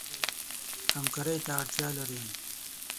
همکارۍ ته اړتیا لري.